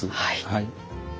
はい。